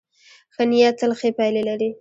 ښه نیت تل ښې پایلې لري.